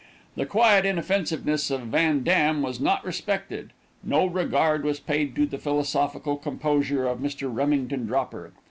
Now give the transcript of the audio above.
The quiet inoffensiveness of Van Dam was not respected; no regard was paid to the philosophical composure of Mr. Remington Dropper.